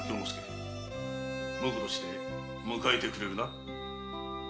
婿として迎えてくれるな？